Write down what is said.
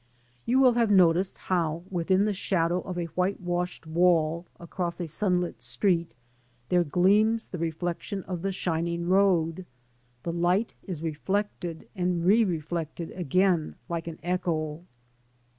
You will have noticed how within the shadow of a white washed wall across a sun lit street, there gleams the reflection of the shining road. The light is reflected and re reflected again like an echo.